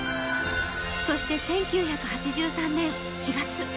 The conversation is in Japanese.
そして１９８３年４月。